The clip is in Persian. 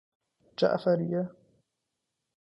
جعفریه